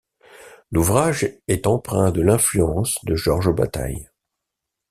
L'ouvrage est empreint de l'influence de Georges Bataille.